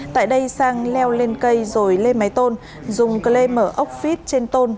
tại đây sang leo lên cây rồi lên máy tôn dùng cơ lê mở ốc fit trên tôn